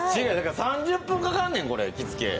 ３０分かかんねん、着付け。